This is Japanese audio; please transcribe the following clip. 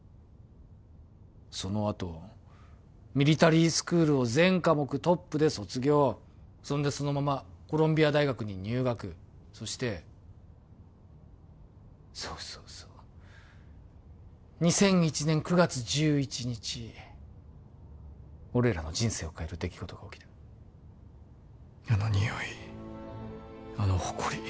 そのあとミリタリースクールを全科目トップで卒業そんでそのままコロンビア大学に入学そしてそうそうそう２００１年９月１１日俺らの人生を変える出来事が起きたあのにおいあのほこり